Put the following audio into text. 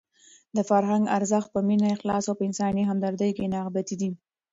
د فرهنګ ارزښت په مینه، اخلاص او په انساني همدردۍ کې نغښتی دی.